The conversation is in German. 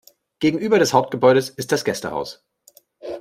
Gegenüber des Hauptgebäudes ist das Gästehaus.